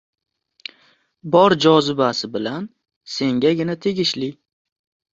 Bor jozibasi bilan sengagina tegishli.